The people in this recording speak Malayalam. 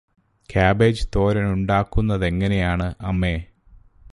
കാബേജ് തോരനുണ്ടാക്കുന്നതെങ്ങനെയാണ് അമ്മേ?